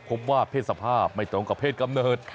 พบว่าเพศสภาพไม่ตรงกับเพศกำเนิด